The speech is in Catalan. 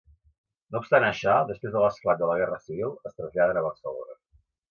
No obstant això, després de l'esclat de la Guerra Civil es traslladen a Barcelona.